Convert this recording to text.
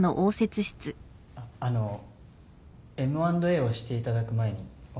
ああのＭ＆Ａをしていただく前にお話が。